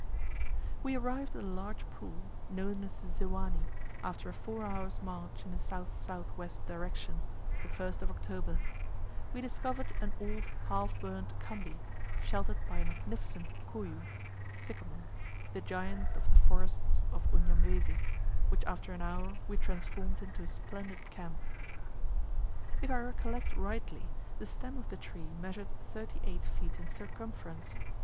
We arrived at a large pool, known as the Ziwani, after a four hours' march in a S.S.W. direction, the 1st of October. We discovered an old half burnt khambi, sheltered by a magnificent mkuyu (sycamore), the giant of the forests of Unyamwezi, which after an hour we transformed into a splendid camp. If I recollect rightly, the stem of the tree measured thirty eight feet in circumference.